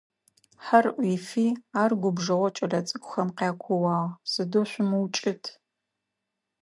Хьэр ӏуифи, ар губжыгъэу кӏэлэцӏыкӏухэм къякууагъ: Сыдэу шъумыукӏытӏ.